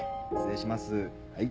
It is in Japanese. はい。